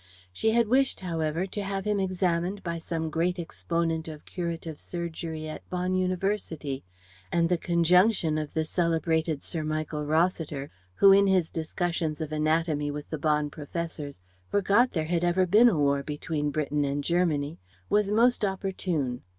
She had wished however to have him examined by some great exponent of curative surgery at Bonn University, and the conjunction of the celebrated Sir Michael Rossiter who in his discussions of anatomy with the Bonn professors forgot there had ever been a war between Britain and Germany was most opportune.